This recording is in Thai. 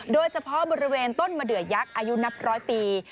โดยเฉพาะบริเวณต้นมะเดือยักษ์อายุนับร้อยปี